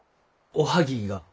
おはぎが。